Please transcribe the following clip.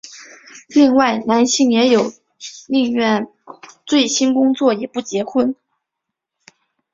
另外男性也有些宁愿醉心工作也不结婚。